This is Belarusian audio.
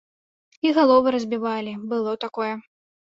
І галовы разбівалі, было такое.